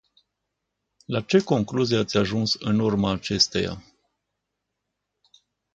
La ce concluzii ați ajuns în urma acesteia?